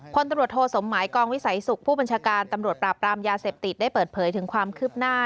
พลตำรวจโทสมหมายกองวิสัยสุขผู้บัญชาการตำรวจปราบปรามยาเสพติดได้เปิดเผยถึงความคืบหน้า